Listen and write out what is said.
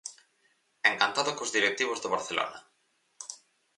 Encantado cos directivos do Barcelona.